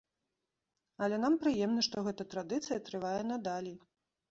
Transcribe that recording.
Але нам прыемна, што гэта традыцыя трывае надалей.